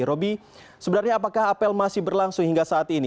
roby sebenarnya apakah apel masih berlangsung hingga saat ini